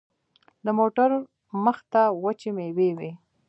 د موټر مخته وچې مېوې وې.